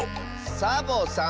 サボさん